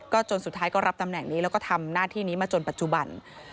จนสุดท้ายก็รับตำแหน่งนี้แล้วก็ทำหน้าที่นี้มาจนปัจจุบัน